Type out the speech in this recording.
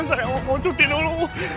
saya mau cuti dulu